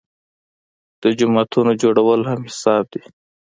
د جوماتونو جوړول هم حساب دي.